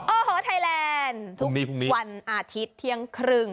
โอ้โหไทยแลนด์พรุ่งนี้พรุ่งนี้วันอาทิตย์เที่ยงครึ่ง